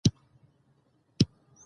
یورانیم د افغان ځوانانو لپاره دلچسپي لري.